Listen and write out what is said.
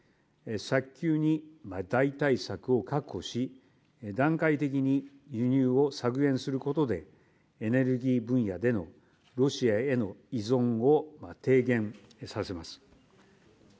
早急に代替策を確保し、段階的に輸入を削減することで、エネルギー分野でのロシアへの依存を低減させます。